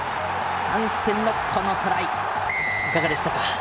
ハンセンのこのトライいかがでしたか？